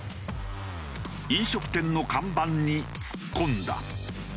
飲食店の看板に突っ込んだ。